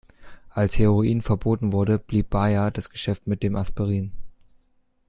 Als Heroin verboten wurde, blieb Bayer das Geschäft mit dem Aspirin.